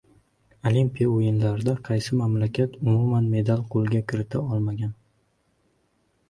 Olimpiya o‘yinlarida qaysi mamlakatlar umuman medal qo‘lga kirita olmagan?